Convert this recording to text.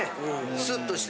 スッとして。